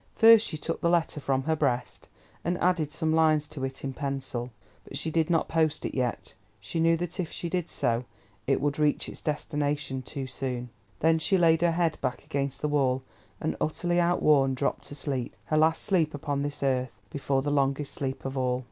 First she took the letter from her breast, and added some lines to it in pencil, but she did not post it yet; she knew that if she did so it would reach its destination too soon. Then she laid her head back against the wall, and utterly outworn, dropped to sleep—her last sleep upon this earth, before the longest sleep of all.